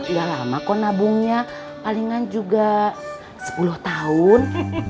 ya lama kok nabungnya palingan juga sepuluh tahun